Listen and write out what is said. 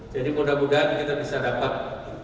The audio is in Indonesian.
jadi mudah mudahan kita bisa dapat dua empat